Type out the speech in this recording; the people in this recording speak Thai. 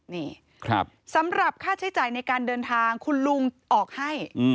นี่สำหรับค่าใช้จ่ายในการเดินทางคุณลุงออกให้